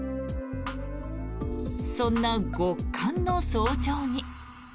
そんな極寒の早朝に。